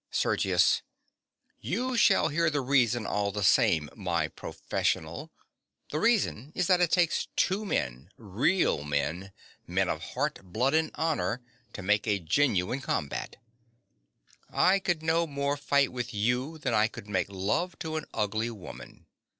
SERGIUS. You shall hear the reason all the same, my professional. The reason is that it takes two men—real men—men of heart, blood and honor—to make a genuine combat. I could no more fight with you than I could make love to an ugly woman.